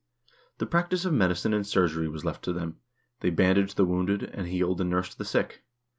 The practice of medicine and surgery was left to them ; they ban daged the wounded, and healed and nursed the sick.